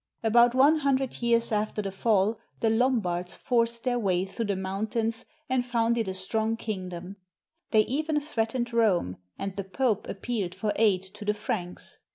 About one hundred years after the fall, the Lombards forced their way through the mountains and founded a strong kingdom. They even threatened Rome, and the Pope appealed for aid to the Franks.